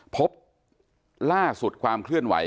พบล่าสุดความเคลื่อนไหว